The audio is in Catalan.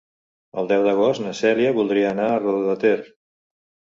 El deu d'agost na Cèlia voldria anar a Roda de Ter.